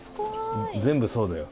全部そうだよ。